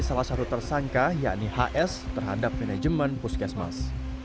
salah satu tersangka yakni hs terhadap manajemen puskesmas